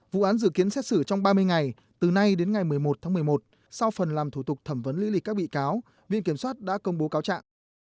vụ án dự kiến xét xử trong ba mươi ngày từ nay đến ngày một mươi một tháng một mươi một sau phần làm thủ tục thẩm vấn lý lịch các bị cáo viện kiểm soát đã công bố cáo trạng